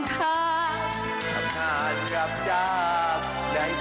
อย่าหอบอย่าหอบอย่าหอบ